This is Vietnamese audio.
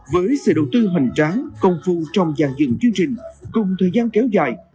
với sự đầu tư hoành tráng công phu trong dàn dựng chương trình cùng thời gian kéo dài